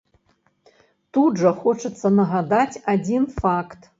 Тут жа хочацца нагадаць адзін факт.